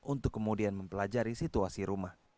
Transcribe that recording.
untuk kemudian mempelajari situasi rumah